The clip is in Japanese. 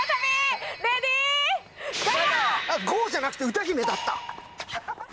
ゴーじゃなくて歌姫だった。